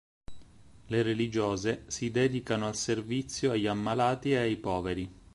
Le religiose si dedicano al servizio agli ammalati e ai poveri.